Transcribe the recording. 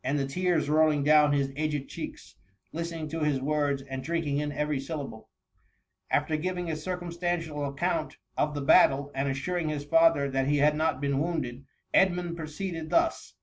TS the tears rolling down his aged cheeks, listening to his words, and drinking in every syllable* After giving a circumstantial account of the battle, and assuring his father that he had not been wounded, Edmund proceeded thus.